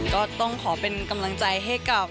ก็ต้องขอเป็นกำลังใจให้กับ